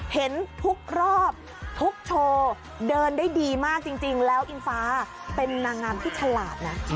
เห็นทุกรอบทุกโชว์เดินได้ดีมากจริงแล้วอิงฟ้าเป็นนางงามที่ฉลาดนะ